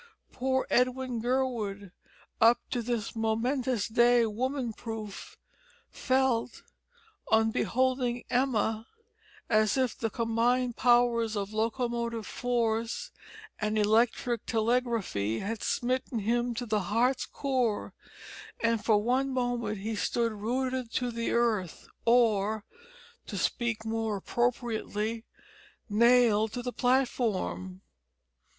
Poor Edwin Gurwood, up to this momentous day woman proof, felt, on beholding Emma, as if the combined powers of locomotive force and electric telegraphy had smitten him to the heart's core, and for one moment he stood rooted to the earth, or to speak more appropriately nailed to the platform.